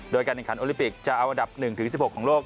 โดยการแข่งขันโอลิปิกจะเอาอันดับ๑๑๖ของโลก